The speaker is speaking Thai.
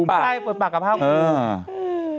ใช่เปิดปากกับภาพภูมิ